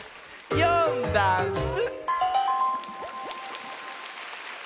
「よんだんす」